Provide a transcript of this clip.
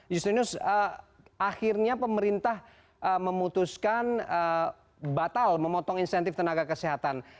justinus akhirnya pemerintah memutuskan batal memotong insentif tenaga kesehatan